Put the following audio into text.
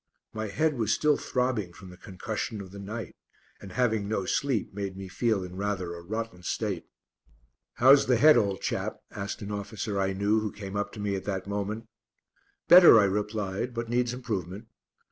My head was still throbbing from the concussion of the night, and having no sleep made me feel in rather a rotten state. "How's the head, old chap?" asked an officer I knew who came up to me at that moment. "Better," I replied, "but needs improvement."